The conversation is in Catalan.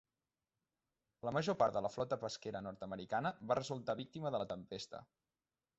La major part de la flota pesquera nord-americana va resultar víctima de la tempesta.